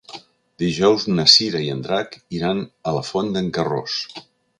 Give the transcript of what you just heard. Dijous na Cira i en Drac iran a la Font d'en Carròs.